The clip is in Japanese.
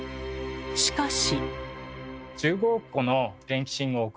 しかし。